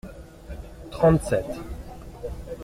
Trente-sept.